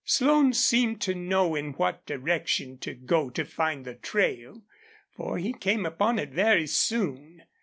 Slone seemed to know in what direction to go to find the trail, for he came upon it very soon.